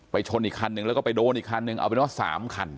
ชนอีกคันนึงแล้วก็ไปโดนอีกคันนึงเอาเป็นว่า๓คัน